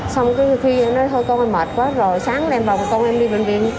xong khi em nói thôi con em mệt quá rồi sáng em vào con em đi bệnh viện